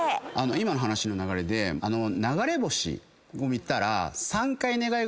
今の話の流れで流れ星を見たら。